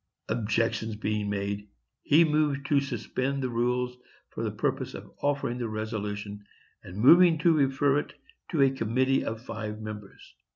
Objection being made, he moved to suspend the rules for the purpose of offering the resolution, and moving to refer it to a committee of five members.